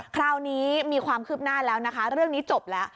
คราวนี้มีความคืบหน้าแล้วนะคะเรื่องนี้จบแล้ว